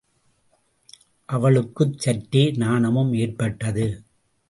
அவளுக்குச் சற்றே நாணமும் ஏற்பட்டது.